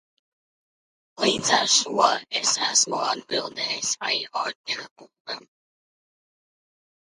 Līdz ar šo es esmu atbildējis arī Ortega kungam.